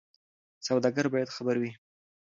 سوداګر باید خبر وي.